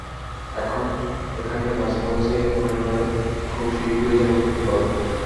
এখানে মাঝে মাঝে মনে হয়, খুব শীঘ্রই যেন মুক্তি পাব।